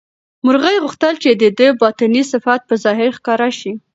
مرغۍ غوښتل چې د ده باطني صفت په ظاهر ښکاره شي.